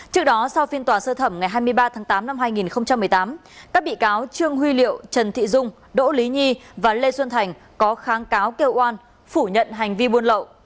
trước đó sau phiên tòa sơ thẩm ngày hai mươi ba tháng tám năm hai nghìn một mươi tám các bị cáo trương huy liệu trần thị dung đỗ lý nhi và lê xuân thành có kháng cáo kêu oan phủ nhận hành vi buôn lậu